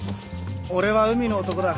俺は海の男だ。